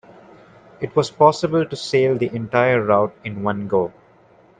It was possible to sail the entire route in one go.